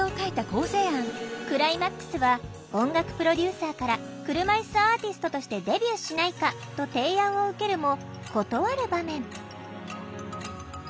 クライマックスは音楽プロデューサーから「“車いすアーティスト”としてデビューしないか？」と提案を受けるも断る場面。